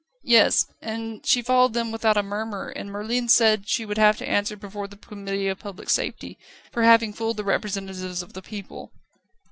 "Yes. And she followed them without a murmur, as Merlin said she would have to answer before the Committee of Public Safety, for having fooled the representatives of the people."